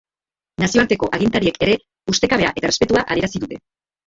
Nazioarteko agintariek ere ustekabea eta errespetua adierazi dute.